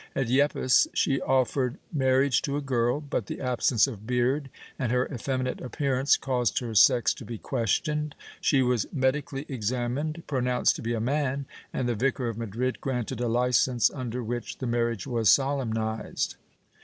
At Yepes she ofTered marriage to a girl, but the absence of beard and her effeminate appearance caused her sex to be questioned; she was medically examined, pronounced to be a man and the Vicar of Madrid granted a licence under which the marriage was solemnized.